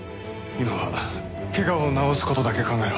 今は怪我を治す事だけ考えろ。